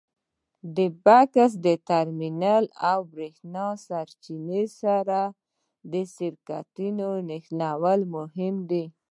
د بکس ټرمینل او برېښنا سرچینې سره د سرکټونو نښلول مهم دي.